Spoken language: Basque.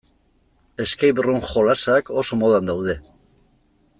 Escape-room jolasak oso modan daude.